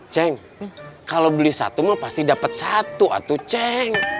ceng kalau beli satu pasti dapat satu ceng